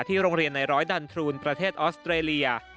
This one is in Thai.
โรงเรียนในร้อยดันทรูนประเทศออสเตรเลีย